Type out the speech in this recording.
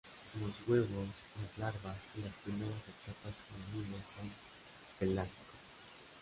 Los huevos, las larvas y las primeras etapas juveniles son pelágicos.